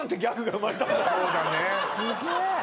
すげえ